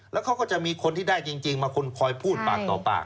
แล้วเขาก็จะมีคนที่ได้จริงมาคนคอยพูดปากต่อปาก